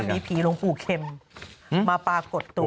มีผีหลวงภูเข็มมาปากกดตัว